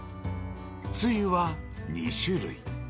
つゆは２種類。